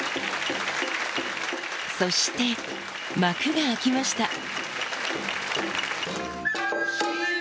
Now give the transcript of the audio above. そして幕が開きました。